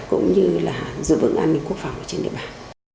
cũng như là giữ vững an ninh quốc phòng trên địa bàn